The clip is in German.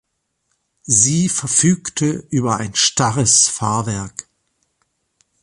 Sie verfügte über ein starres Fahrwerk.